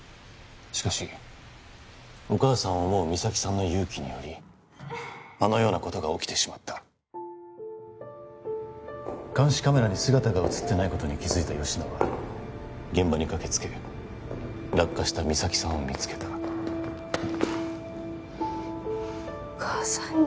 しかしお母さんを思う実咲さんの勇気によりあのようなことが起きてしまった監視カメラに姿が写ってないことに気づいた吉乃は現場に駆けつけ落下した実咲さんを見つけたお母さんに